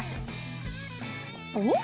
おっ！